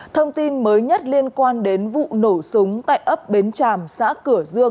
thông tin mới nhất liên quan đến vụ nổ súng tại ấp bến tràm xã cửa dương